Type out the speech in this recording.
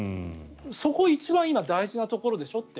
そこ一番、今大事なところでしょって。